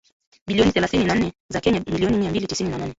bilioni thelathini na nne za Kenya milioni mia mbili tisini na nane